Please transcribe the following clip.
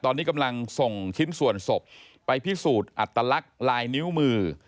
ตอนนี้กำลังส่งชิ้นส่วนศพไปพิสูจน์อัตลักษณ์ลายนิ้วมือ